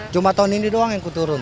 jumat tahun ini doang yang kuturun